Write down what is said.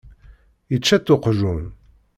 Ičča-tt uqjun.